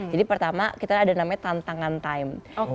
jadi pertama kita ada namanya tantangan time